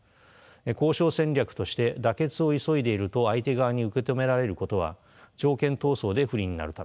交渉戦略として妥結を急いでいると相手側に受け止められることは条件闘争で不利になるためです。